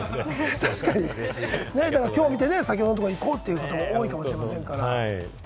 確かに、今日見てね、先ほどのところに行こうっていう方もいるかもしれませんから。